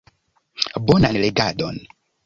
Bonan legadon.